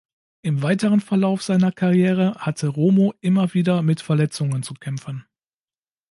Im weiteren Verlauf seiner Karriere hatte Romo immer wieder mit Verletzungen zu kämpfen.